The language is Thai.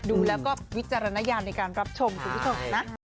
ดูแล้วก็วิจารณญาณในการรับชมคุณผู้ชมนะ